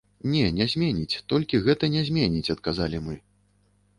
Не, не зменіць, толькі гэта не зменіць, адказалі мы.